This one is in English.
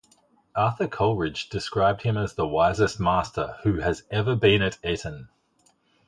Arthur Coleridge described him as "the wisest master who has ever been at Eton".